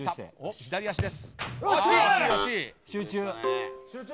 左足です。